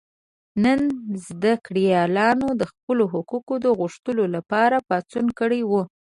نن زده کړیالانو د خپلو حقونو د غوښتلو لپاره پاڅون کړی و.